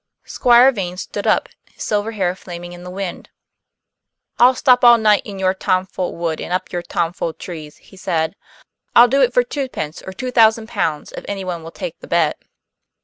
Squire Vane stood up, his silver hair flaming in the wind. "I'll stop all night in your tomfool wood and up your tomfool trees," he said. "I'll do it for twopence or two thousand pounds, if anyone will take the bet."